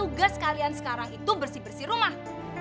udah sekalian sekarang itu bersih bersih rumah